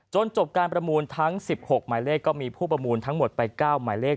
จบการประมูลทั้ง๑๖หมายเลขก็มีผู้ประมูลทั้งหมดไป๙หมายเลข